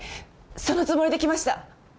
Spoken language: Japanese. そのつもりで来ました。